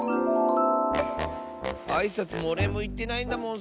あいさつもおれいもいってないんだもん